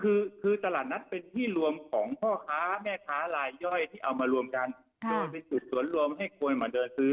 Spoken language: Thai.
คือส่วนตาหรรณนัสเป็นที่รวมของพ่อค้าแม่ค้าเอามาร่วมกันได้ไปสวนรวมให้บริโภคเขาเติมมาเดินซื้อ